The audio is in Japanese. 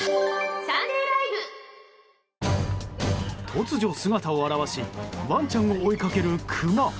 突如、姿を現しワンちゃんを追いかけるクマ。